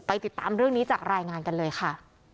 ติดตามเรื่องนี้จากรายงานกันเลยค่ะ